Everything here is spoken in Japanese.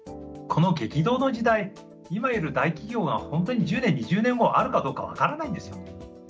この激動の時代今いる大企業が本当に１０年２０年後あるかどうか分からないんですよ。